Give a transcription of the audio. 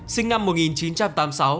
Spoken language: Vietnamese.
sinh năm một nghìn chín trăm tám mươi sáu